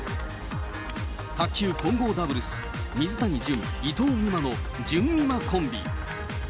卓球混合ダブルス、水谷隼・伊藤美誠のじゅんみまコンビ。